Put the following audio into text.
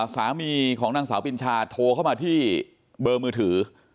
สามีของนางสาวปิญชาโทรเข้ามาที่เบอร์มือถือ